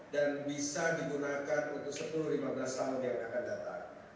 dan bisa digunakan untuk sepuluh lima belas tahun yang akan datang